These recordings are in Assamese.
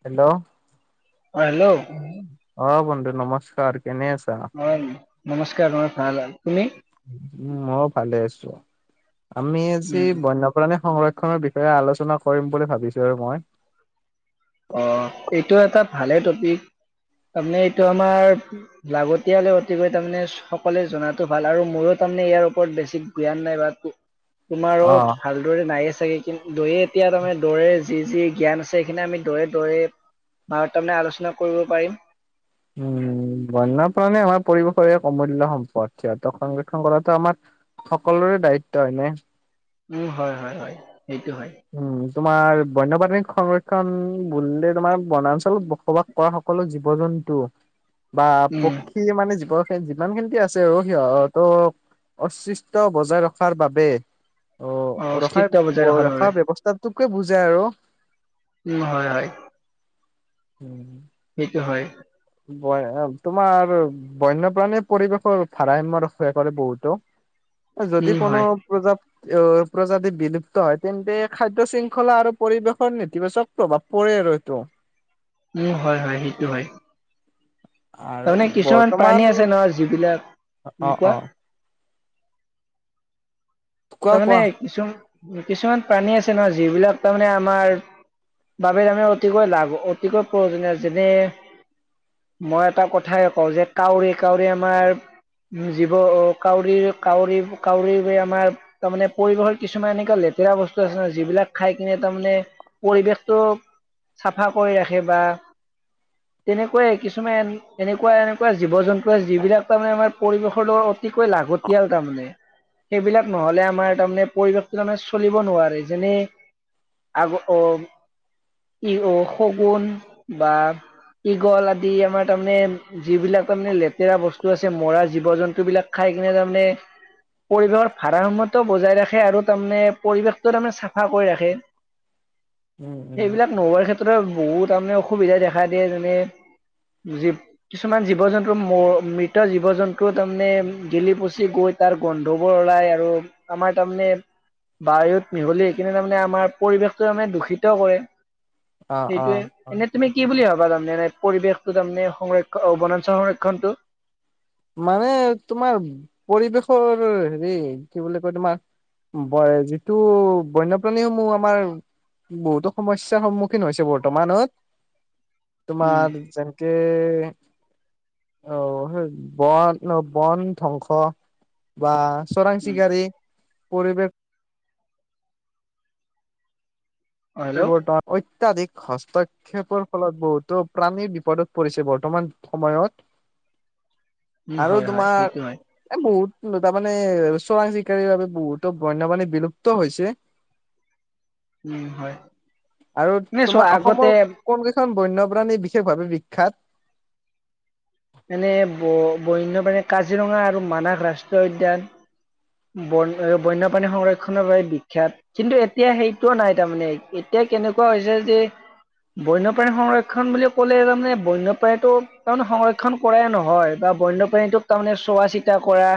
হেল্ল' অ হেল্ল' উম অ বন্ধু নমস্কাৰ কেনে আছা অ নমস্কাৰ আমাৰ ভাল তুমি উম মও ভালে আছোঁ আমি আজি উম বন্যপ্ৰাণী সংৰক্ষণ নৰ বিষয়ে আলোচনা কৰিম বুলি ভাবিছোঁ আৰু মই অ এইটো এটা ভালে টপিক তামানে এইটো আমাৰ লাগতিয়ালে অতিকৈ তামানে সকলোৱে জনাতো ভাল আৰু মোৰো তামানে ইয়াৰ ওপৰত বেছি জ্ঞান নাই বা তোমাৰ অ ভালদৰে নাই চাগে কিন্তু দয়ে এতিয়া তামানে দৌৰে যি যি জ্ঞান আছে সেইখিনি আমি দৰে দৌৰে ভাৰ তামানে আলোচনা কৰিব পাৰিম উম বন্যপ্ৰাণী আমাৰ পৰিৱেশৰ এক অমূল্য সম্পদ সিহঁতক সংৰক্ষণ কৰাটো আমাৰ সকলোৰে দায়িত্ব হয় নে উম হয় হয় হয় সেইটো হয় উম তোমাৰ বন্যপ্ৰাণীক সংৰক্ষণ বুলিলে তোমাৰ বনাঞ্চলত বসবাস কৰা সকলো জীৱ জন্তু বা উম পক্ষী মানে জীৱ যিমান খিনি আছে আৰু সিহঁতক অস্তিত্ব বজাই ৰখাৰ বাবে অ অস্তিত্ব বজাই ৰখাৰ বাবে ৰখাৰ ব্যৱস্থাত তোকে বুজায় আৰু উম হয় হয় উম সেইটো হয় তোমাৰ বন্যপ্ৰাণীৰ পৰিৱেশৰ ভাৰসাম্য ৰক্ষা কৰে বহুতো উম যদি কোনো হয় প্ৰজা অ প্ৰজাতি বিলুপ্ত হয় তেন্তে খাদ্য শৃংখলা আৰু পৰিৱেশৰ নেতিবাচক প্ৰভাৱ পৰে আৰু এইটো উম হয় হয় সেইটো হয় আৰু তামানে কিছুমান বৰ্তমান প্ৰাণী আছে নহয় যিবিলাক উম অ' কোৱা অ' কোৱা তামানে কোৱা। কিছু কিছুমান প্ৰাণী আছে নহয় যিবিলাক তাৰমানে আমাৰ বাবে আমি অতিকৈ লাভ অতিকৈ প্ৰয়োজনীয় যেনে মই এটা কথাই কওঁ যে কাউৰী কাউৰী আমাৰ জীৱ কাউৰী কাউৰী কাউৰী আমাৰ তাৰমানে পৰিৱেশৰ কিছুমান এনেকুৱা লেতেৰা বস্তু আছে ন যিবিলাক খাই কিনে তাৰমানে পৰিৱেশতটো চাফা কৰি ৰাখে বা তেনেকুৱাই কিছুমান এনেকুৱা এনেকুৱা জীৱ জন্তু আছে যিবিলাক তাৰমানে আমাৰ পৰিৱেশৰ দ অতিকৈ লাগতিয়াল তাৰমানে সেইবিলাক নহলে আমাৰ আমাৰ তাৰমানে পৰিৱেশটো তাৰমানে চলিব নোৱাৰে যেনে আগ অ ই অ শগুন বা ঈগল আদি আমাৰ তাৰমানে যিবিলাক তাৰমানে লেতেৰা বস্তু আছে মৰা জীৱ জন্তু বিলাক খাই কিনে তাৰমানে পৰিৱেশৰ ভাডাৰা সময়ত টো বজাই ৰাখে আৰু তাৰমানে পৰিৱেশটো তাৰমানে চাফা কৰি ৰাখে উম, উম। সেইবিলাক নোহোৱাৰ ক্ষেত্ৰত বহুত তাৰমানে অসুবিধা দেখা দিয়ে যেনে কিছুমান জীৱ জন্তুৰ মৃত জীৱ জন্তু তাৰমানে গিলি পচি গৈ তাৰ গোন্ধ বোৰ ওলাই আৰু আমাৰ তাৰমানে বায়ুত মিহলি সেই কিনে তাৰমানে আমাৰ পৰিৱেশটো মানে দূষিত কৰে অ' অ' সেইটোয়ে এনে তুমি কি বুলি ভাবা তাৰে ন পৰিৱেশতটো তাৰমানে সংৰক্ষ বনাঞ্চল সংৰক্ষণটো মানে তোমাৰ পৰিৱেশৰ হেৰি কি বুলি কয় তোমাৰ যিটো বন্যপ্ৰাণী সমূহ আমাৰ বহুতো সমস্যয়াৰ সন্মুখীন হৈছে বৰ্তমানত উম তোমাৰ জেনকে অ হেই বন বন ধ্বংস বা চুৰাং উম চিকাৰি পৰিৱেশ অ হেল্ল' পৰিৱৰ্তন অত্যাধিক হস্তক্ষেপৰ ফলত বহুতো প্ৰাণী বিপদত পৰিছে বৰ্তমান সময়ত উম আৰু হয় হয় তোমাৰ সেইটো হয় এ বহুত তাৰমানে চুৰাং চিকাৰীৰ বাবে বহুতো বন্যপাণী বিলুপ্ত হৈছে উম হয় আৰু তোমাৰ চোৱা অসমৰ আগতে কোন কেইখন বন্যপ্ৰাণী বিশেষভাৱে বিখ্যাত এনে বন্য প্ৰাণী কাজিৰঙা আৰু মানাস ৰাষ্ট্ৰীয় উদ্যান বন্যপ্ৰাী সংৰক্ষণৰ বাবে বিখ্যাত কিন্তু এতিয়া সেইটো নাই তাৰমানে এতিয়া কেনেকুৱা হৈছে যে বন্যপ্ৰাণী সংৰক্ষণ বুলি ক'লে তাৰমানে বন্যপ্ৰাণীটো তাৰমানে সংৰক্ষন কৰাই নহয় বা বন্যপ্ৰাণীটো তাৰমানে চোৱা চিতা কৰা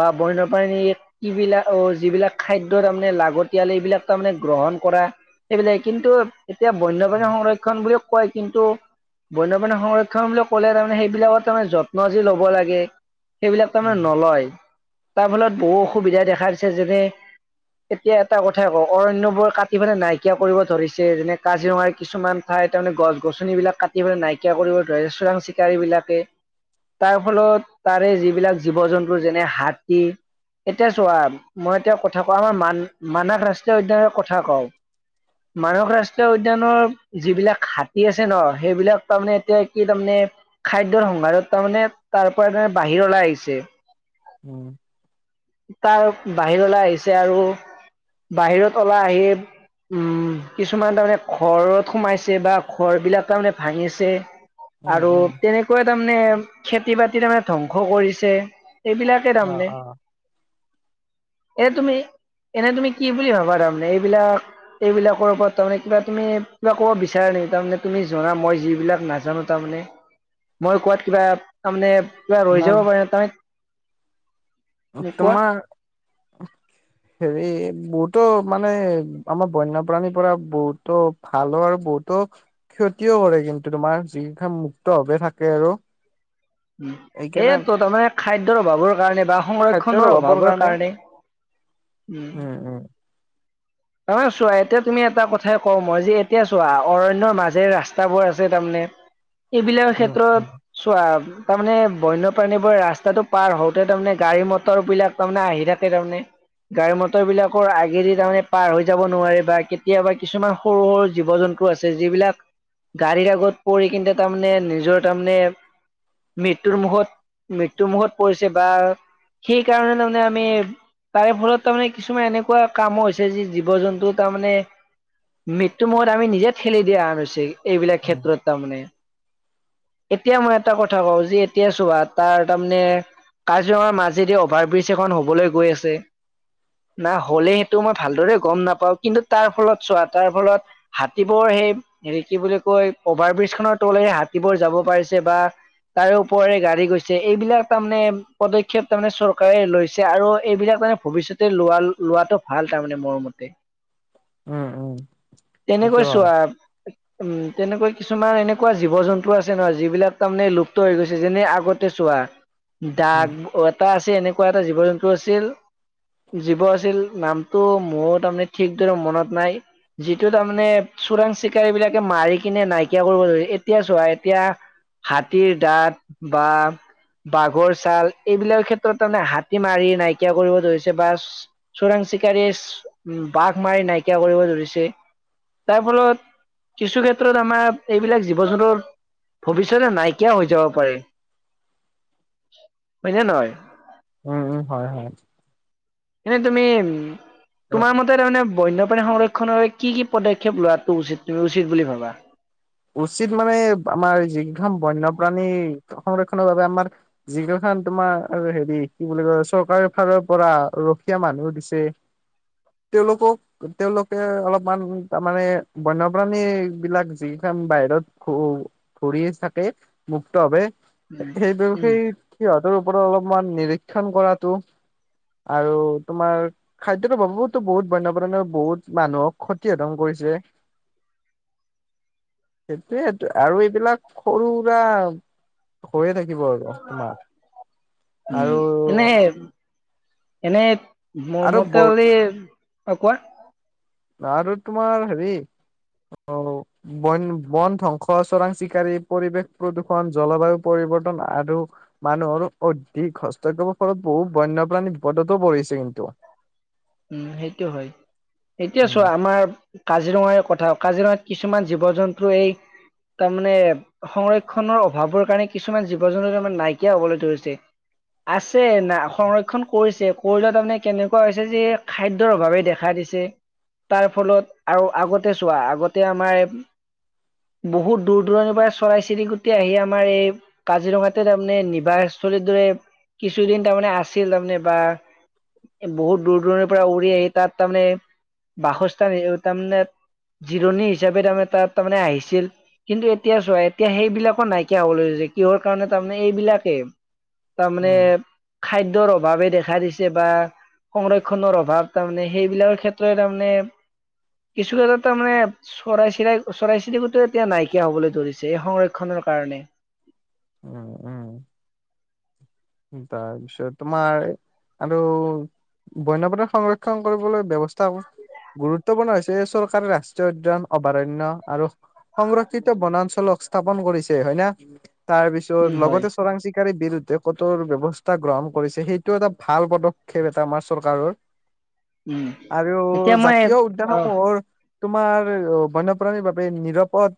বা বন্য পাৰি কিবিলাক অ যিবিলাক খাদ্যয় তাৰমানে লাগতিয়াল এইবিলাক তাৰমানে গ্ৰহণ কৰা সেইবিলাক কিন্তু এতিয়া বন্যপ্ৰাণী সংৰক্ষণ বুলি কয় কিন্তু বন্যপ্ৰাণী সংৰক্ষণ বুলি ক'লে তাৰমানে সেইবিলাকৰ তাৰমানে যত্ন যি ল'ব লাগে সেইবিলাক তাৰমানে উম নলয় [inaudible] তাৰ ফলত বহু অসুবিধা দেখা দিছে যেনে এতিয়া এটা কথাই কওঁ অৰণ্যবোৰ কাটি পেলাই নাইকিয়া কৰিব ধৰিছে যেনে কাজিৰঙাৰ কিছুমান ঠাই তাৰমানে গছ গছনিবিলাক কাটি পেলাই নাইকিয়া কৰিব ধৰিছে চোৰাং চিকাৰী বিলাকে তাৰ ফলত তাৰে যিবিলাক জীৱ জন্তু যেনে হাতী এতিয়া চোৱা মই এতিয়া কথা কওঁ মানস ৰাষ্ট্ৰীয় উদয়ানৰ কথা কও মানস ৰাষ্ট্ৰীয় উদ্যানৰ যিবিলাক হাতী আছে ন সেইবিলাক তাৰমানে এতিয়া কি তাৰমানে খাদ্যৰ সংসাৰত তাৰমানে তাৰ পৰা তাৰমানে বাহিৰলৈ ওলাই আহিছে উম তাৰ বাহিৰ ওলাই আহিছে আৰু বাহিৰত ওলাই আহি উম কিছুমান তাৰমানে ঘৰত সোমাইছে বা ঘৰ বিলাক তাৰমানে ভাঙিছে উম আৰু উম তেনেকোৱা তাৰমানে খেতি-বাতি মানে ধ্বংস কৰিছে এইবিলাকে অ তাৰমানে এ তুমি এনে তুমি কি বুলি ভাবা তাৰমানে এইবিলাক এইবিলাকৰ ওপৰত তাৰমানে কিবা তুমি কিবা ক'ব বিচাৰা নেকি তাৰমানে তুমি জনা মই যিবিলাক নাজানো তাৰমানে মই কোৱাত কিবা তাৰমানে কিবা ৰৈ যাব পাৰে ন তাত তোমাৰ হেৰি বুট তো মানে আমাৰ বন্যপ্ৰাণীৰ পৰা বহুতো ভালো আৰু বহুতো ক্ষতিও কৰে কিন্তু তোমাৰ জেনেকা মুক্ত ভাৱে থাকে আৰু এ এইকাৰণে তহতৰ মানে খাই অভাৱৰ কাৰণে বা সংৰক্ষনৰৰ অভাৱৰ কাৰণে উম নহ চোৱা এতিয়া তুমি এটা কথাই কওঁ মই যে এতিয়া চোৱা, অৰন্যৰ মাজেৰে ৰাস্তাবোৰ আছে তাৰমানে এইবিলাকৰ উম ক্ষেত্ৰত উম চোৱা তাৰমানে বন্যপ্ৰাণীবোৰ ৰাস্তাটো পাৰ হওঁতে তাৰমানে গাড়ী মটৰ বিলাক তাৰমানে আহি থাকে তাৰমানে গাড়ী মটৰ বিলাকৰ আগেদি তাৰমানে পাৰ হৈ যাব নোৱাৰে বা কেতিয়াবা কিছুমান সৰু সৰু জীৱ জন্তু আছে যিবিলাক গাড়ীৰ আগত পৰি কিন্তু তাৰমানে নিজৰ তাৰমানে মৃত্যুৰ মুখত মৃত্যুৰ মুখত পৰিছে বা সেই কাৰণে তাৰমানে আমি তাৰে ফলত তাৰমানে কিছুমান এনেকুৱা কামো হৈছে যে জীৱ-জন্তু তাৰমানে মৃত্যু মুখত আমি নিজে ঠেলি দিয়া হেন হৈছি। এইবিলাক উম ক্ষেত্ৰত তাৰমানে। এতিয়া মই এটা কথা কওঁ যে এতিয়া চোৱা, তাৰ তাৰমানে কাজিৰঙাৰ মাজেদি অভাৰ ব্ৰিজ এখন হবলৈ গৈ আছে না হলে সেইটো মই ভালদৰে গম নাপাও। কিন্তু তাৰ ফলত চোৱা তাৰ ফলত হাতীবোৰ সেই হেৰি কি বুলি কয় অভাৰ ব্ৰিজ খনৰ তলেৰে হাতীবোৰ যাব পাৰিছে বা তাৰে ওপৰে গাড়ী গৈছে সেইবিলাক তাৰমানে পদক্ষেপ তাৰমানে চৰকাৰে লৈছে আৰু এইবিলাক তাৰে ভৱিষ্যতে লোৱা লোৱাটো ভাল। তাৰমানে মোৰ মতে। উম, উম সেইটো তেনেকৈ হয়। চোৱা উম তেনেকুৱা কিছুমান এনেকুৱা জীৱ জন্তু আছে ন যিবিলাক তাৰমানে লুপ্ত হৈ গৈছে, যেনে আগতে চোৱা উম দাগ অটা আছ এনেকুৱা এটা জীৱ জন্তু আছিল। জীৱ আছিল নাম কিন্তু মোৰ তাৰমানে ঠিকদৰে মনত নাই। যিটো তাৰমানে চোৰাং চিকাৰী বিলাকে মাৰি কিনে নাইকিয়া কৰিব ধৰিছে, এতিয়া চোৱা এতিয়া হাতীৰ দাঁত বা বাঘৰ চাল এইবিলাক ক্ষেত্ৰত তাৰমানে হাতী মাৰি নাইকিয়া কৰিব ধৰিছে বা চোৰাং চিক [unintelligible] বাঘ মাৰি নাইকিয়া কৰিব ধৰিছে। তাৰ ফলত কিছু ক্ষেত্ৰত আমাৰ এইবিলাক জীৱ জন্তুৰ ভৱিষ্যতে নাইকিয়া হৈ যাব পাৰে, হয় নে নহয়? উম, উম। হয়, হয়। এনে তুমি তোমাৰ মতে তাৰমানে বন্যপ্ৰাণী সংৰক্ষণ বাবে কি কি পদক্ষেপ লোৱাটো উচিত তুমি উচিত বুলি ভাবা? উচিত মানে আমাৰ যি কেইখন বন্যপ্ৰাণী সংৰক্ষনৰ বাবে আমাৰ যিকেইখন তোমাৰ হেৰি কি বুলি কয় চৰকাৰৰ ফালৰ পৰা ৰখীয়া মানুহ দিছে তেওঁলোকক, তেওঁলোকে অলপমান তাৰমানে বন্যপ্ৰাণী বিলাক যি বাহিৰত ঘূ -ঘূৰি থাকে মুক্ত ভাবে উম সেই উম ব্যৱসায়ী কি হল? তাৰ ওপৰত অলপমান নিৰীক্ষণ কৰাটো আৰু তোমাৰ খাদ্যটো বহুত বহুত বন্য, বন্য বহুত মানুহক ক্ষতি সাধন কৰিছে। সেইটোয়ে সেইটো আৰু এইবিলাক সৰু সুৰা হৈয়ে থাকিব আৰু তোমাৰ। উম আৰু এনে এনেই মোৰ আৰু মতে বৰ হলি অ, কোৱা। আৰু তোমাৰ হেৰি অহ বন-বন ধ্বংস, চোৰাং চিকাৰী, পৰিৱেশ প্ৰদূষণ, জলবায়ু পৰিৱৰ্তন আৰু মানুহৰ অধিক হস্তক্ষেপৰ ফলত বহু বন্যপ্ৰাণী বিপদতো পৰিছে কিন্তু। উম সেইটো হয়। এতিয়া উম। চোৱা আমাৰ কাজিৰঙাৰ কথা কাজিৰঙাত কিছুমান জীৱ-জন্তু এই তাৰমানে সংৰক্ষনৰ অভাৱৰ কাৰণে কিছুমান জীৱ জন্তু তাৰমানে নাইকিয়া হবলৈ ধৰিছে। আছে, না সংৰক্ষণ কৰিছে কৰিলেও তাৰমানে কেনেকুৱা হৈছে যে খাদ্যৰ অভাৱে দেখা দিছে। তাৰ ফলত আৰু আগতে চোৱা, আগতে আমাৰ বহুত দূৰ-দূৰণিৰ পৰা চৰাই-চিৰিকটি আহি আমাৰ এই কাজিৰঙাতে তাৰমানে নিবাহ স্থলীৰ দৰে কিছুদিন তাৰমানে আছিল, তাৰমানে বা বহুত দূৰ-দূৰণিৰ পৰা উৰি আহি তাত তাৰমানে বাসস্থান, তাৰমানে জিৰণি হিচাপে তাৰে তাত তাৰমানে আহিছিল। কিন্তু এতিয়া চোৱা, এতিয়া সেইবিলাকো নাইকিয়া হ'ল যে কিহৰ কাৰণে তাৰমানে এইবিলাকে তাৰমানে উম, খাদ্যৰ অব ভাৱে দেখা দিছে বা সংৰক্ষ সংক্ষণৰ অভাৱ তাৰ মানে সেইবিলাকৰ ক্ষেত্ৰ তাৰমানে কিছু [unintelligible] তাৰ মানে চৰাই চিৰাই চৰাই চিৰিকটিও এতিয়া নাইকিয়া হবলৈ ধৰিছে। এই সংৰক্ষনৰ কাৰণে। উম উম তাৰপিছত তোমাৰ আৰু বন্যপথ সংৰক্ষণ কৰিবলৈ ব্যৱস্থা গুৰুত্বপূৰ্ণ হৈছে চৰকাৰে ৰাষ্ট্ৰীয় উদ্য়ান অভয়াৰণয় আৰু সংৰক্ষিত বনাঞ্চলক স্থাপন কৰিছে হয় ন তাৰ উম পিছত হয় লগতে চোৰাং চিকাৰী বিৰুু [unintelligible] ব্যৱস্থা গ্ৰহণ কৰিছে সেইটো এটা ভাল পদক্ষেপ এটা আমাৰ চৰকাৰৰ উম আৰু এতিয়া মই জাতীয় অ উদ্যানসমূহৰ তোমাৰ বন্যপ্ৰাণীৰ বাবে নিৰাপদ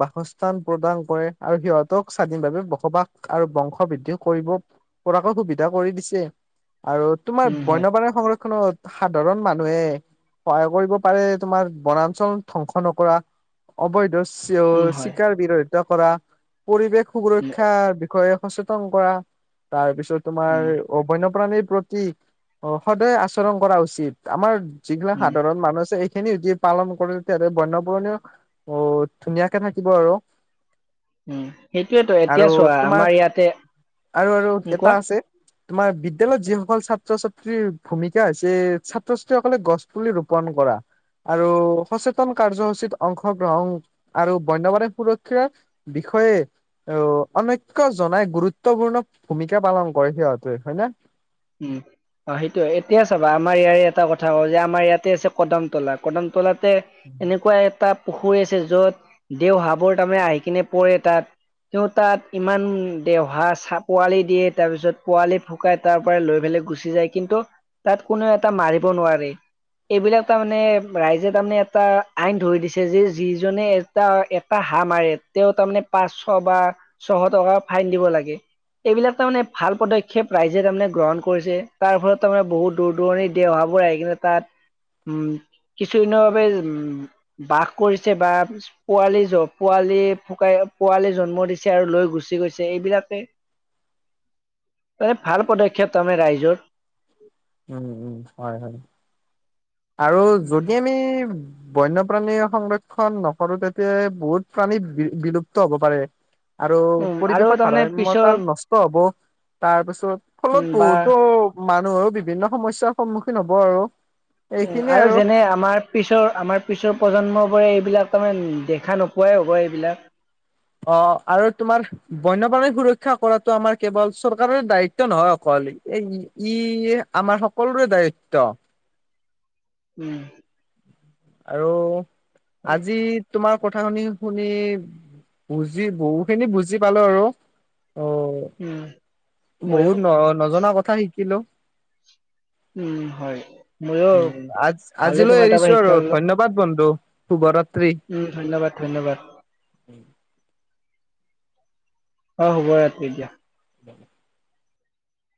বাসস্থান প্ৰদান কৰে আৰু সিহঁতক স্বাধীনভাৱে বসবাস আৰু বংশ বৃদ্ধি কৰিব পৰাকৈ সুবিধা কৰি দিছে আৰু তোমাৰ উম হয় বন্যপ্ৰাণীৰ সংৰক্ষণ ত সাধাৰণ মানুহে সহায় কৰিব পাৰে তোমাৰ বনাঞ্চল ধ্বংস নকৰা অবৈধ উম হয় শিকাৰ বিৰোধ কৰা পৰিৱেশ স উম সুৰক্ষাৰ বিষয়ে সচত [unintelligible] কৰা তাৰ পিছত উম তোমাৰ অ বন্যপ্ৰাণীৰ প্ৰতি সদায় আচৰণ কৰা উচিত আমাৰ যিগিলা উম সাধাৰণ মানুহছে সেই খিনি যদি পালন কৰে তেতিয়াাহ'লে বন্য পুৰণিও আহ ধুনীয়াকে থাকিব আৰু উম সেইটোয়েতো আৰু এতিয়া চোৱা তোমাৰ আমাৰ ইয়াতে আৰু আৰু এটা কোৱা আছে তোমাৰ বিদ্যালয়ত যিসকল ছাত্ৰ ছাত্ৰীৰ ভূমিকা হৈছে ছাত্ৰ ছাত্ৰীসকলে গছ পুলি ৰোপন কৰা আৰু সচেতন কাৰ্যসূচীত [unintelligible] অংশগ্ৰহণ আৰু বন্যবাণী সুৰক্ষাৰ বিষয়ে আহ অনৈক্য় জনাই গুৰুত্ব গুৰুত্বপূৰ্ণ ভূমিকা পালন কৰে সিহঁতে হয় ন উম অ সেইটোয় এতিয়া চাবা আমাৰ ইয়াৰে এটা কথা ক যে আমাৰ ইয়াতে আছে কদমতলা কদমলা তলাতে এনেকুৱা এটা পুখুৰী আছে য'ত দেওহাবোৰ তাৰমানে আহি কিনে পৰে তাত তেওঁ তাত ইমান দেওহা চাহ পোৱালি দিয়ে তাৰপিছত পোৱালি ফুকাই তাৰ [unintelligible] লৈ পেল গুচি যায় কিন্তু তাত কোননে এটা মাৰিব নোৱাৰে এইবিলাক তাৰমানে ৰাইজে তাৰমানে এটা আইন ধৰি দিছে যে যিজনে এটা এটা হাঁহ মাৰে তেওঁ তাৰমানে পাঁচশ বা ছশ টকা ফাইন দিব লাগে এইবিলাক তাৰ মানে ভাল পদক্ষেপ ৰাইজে তাৰমানে [unintelligible] গ্ৰহণ কৰিছে তাৰ ফলত তাৰমানে বহুত দূৰ দূৰণিৰ দেওহাবোৰ আহি কিনে তাত উম কিছুদিনৰ বাবে উম বাস কৰিছে বা পোৱালি পোৱালি ফুকাই পোৱালি জন্ম দিছে আৰু লৈ গুচি গৈছে এইবিলাকে ভাল পদক্ষেপ [unintelligible] মুখ্য তম ৰাইজৰ উম উম হয় হয় আৰু যদি আমি বন্যপ্ৰাণী সংৰক্ষন নকৰো তেতিয়া বহুত প্ৰাণী বিলুপ্ত হব পাৰে আৰু উম আৰু পৰিৱেশৰ তাৰমানে পিছৰ ভাৰাম্য়তা নষ্ট হব তাৰপিছত উম ফলত বা বহুতো মানুহৰো বিভিন্ন সমস্যাৰ সন্মুখীন হ'ব আৰু উ আৰু যেনে আমাৰ পিছৰ আমাৰ পিছৰ প্ৰজন্ম বোৰে বিলাক তাৰমানে দেখা নোপোৱাই হ'ব এইবিলাক অ আৰু তোমাৰ বন্যপ্ৰাণী সুৰক্ষিত শিক্ষা কৰাটো আমাৰ কেৱল চৰকাৰৰ দায়িত্ব নহয় অকল ই আমাৰ সকলোৰে দায়িত্ব উম আৰু আজি তোমাক কথা শুনি শুনি বুজি বহুখিনি বুজি পালো আৰু অ উম ময়ো বহুত ন নজনা কথা শিকিলো উম হয় ময়ো উ আজ ভালে আজিলৈ তোমাৰ তাৰপৰা এৰিছো আৰু শিক্ষা ললো ধন্যবাদ বন্ধু তো ঘৰত উম ধন্যবাদ ধন্যবাদ অ হ'ব এতিয়া